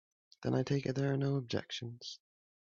Then I take it there are no objections.